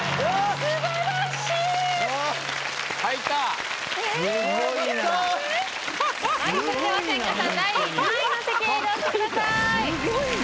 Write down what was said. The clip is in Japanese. すごいな。